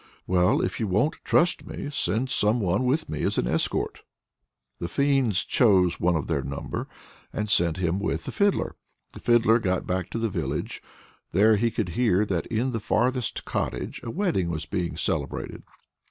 "Well, if you won't trust me, send some one with me as an escort." The fiends chose one of their number, and sent him with the Fiddler. The Fiddler got back to the village. There he could hear that, in the farthest cottage, a wedding was being celebrated.